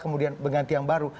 kemudian mengganti yang baru